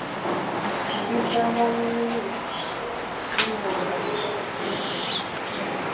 Ndizabawuulu linnya lya ttooke.